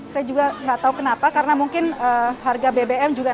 saya juga nggak tahu kenapa karena mungkin harga bbm juga